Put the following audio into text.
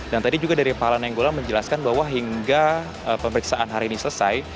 dan tadi juga dari pak lana enggolan menjelaskan bahwa hingga pemeriksaan hari ini selesai